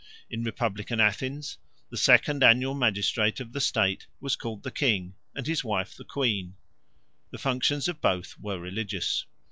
In republican Athens the second annual magistrate of the state was called the King, and his wife the Queen; the functions of both were religious.